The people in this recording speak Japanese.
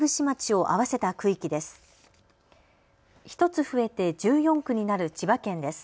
１つ増えて１４区になる千葉県です。